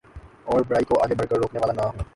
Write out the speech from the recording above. اور برائی کوآگے بڑھ کر روکنے والا نہ ہو